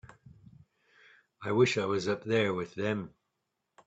I wish I was up there with them.